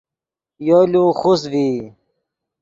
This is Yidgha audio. یولو خوست ڤئی